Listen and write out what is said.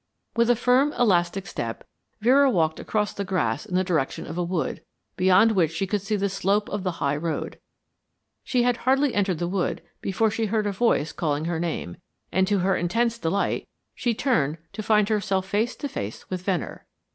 With a firm, elastic step, Vera walked across the grass in the direction of a wood, beyond which she could see the slope of the high road. She had hardly entered the wood before she heard a voice calling her name, and to her intense delight she turned to find herself face to face with Venner.